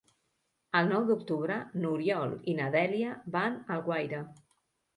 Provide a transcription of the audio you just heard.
El nou d'octubre n'Oriol i na Dèlia van a Alguaire.